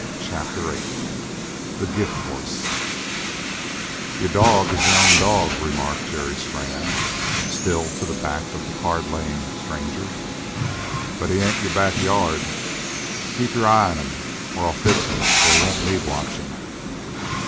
CHAPTER VIII THE GIFT HORSE "Your dog is your own dog," remarked Jerry Strann, still to the back of the card laying stranger, "but this ain't your back yard. Keep your eye on him, or I'll fix him so he won't need watching!"